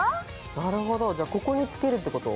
なるほどじゃあここに付けるってこと？